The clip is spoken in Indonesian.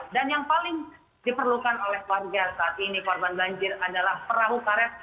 dan yang paling diperlukan oleh warga saat ini korban banjir adalah perahu karet